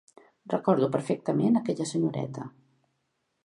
Recordo perfectament aquella senyoreta.